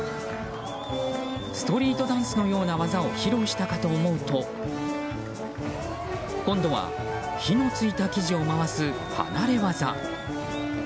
ストリートダンスのような技を披露したかと思うと今度は火のついた生地を回す離れ業。